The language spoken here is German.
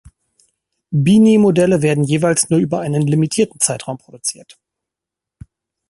Beanie-Modelle werden jeweils nur über einen limitierten Zeitraum produziert.